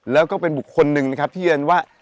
แล้วก็เป็นบุคคลหนึ่งนะครับที่เรียนว่า